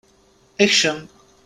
Ekcem!